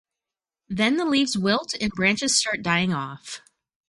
Then the leaves wilt and branches start dying off.